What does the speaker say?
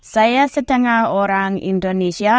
saya setengah orang indonesia